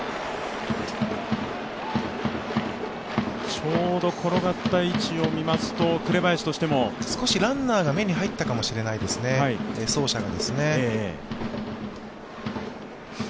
ちょうど転がった位置を見ますと紅林としても少しランナーが目に入ったかもしれないですね、走者が。